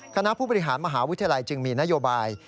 คณะผู้บริหารมหาวิทยาลัยจึงมีนโยบาย